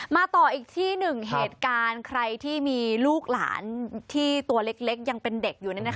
มาต่ออีกที่หนึ่งเหตุการณ์ใครที่มีลูกหลานที่ตัวเล็กยังเป็นเด็กอยู่